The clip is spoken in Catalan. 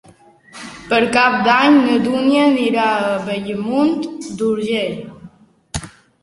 Per Cap d'Any na Dúnia anirà a Bellmunt d'Urgell.